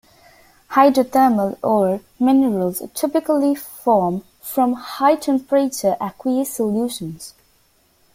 Hydrothermal ore minerals typically form from high temperature aqueous solutions.